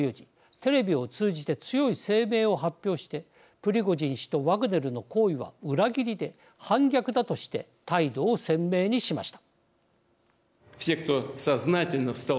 テレビを通じて強い声明を発表してプリゴジン氏とワグネルの行為は裏切りで反逆だとして態度を鮮明にしました。